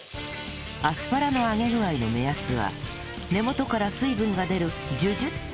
アスパラの揚げ具合の目安は根元から水分が出るジュジュ！という音